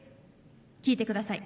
聴いてください。